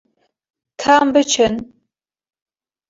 Ka em biçin.